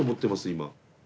今。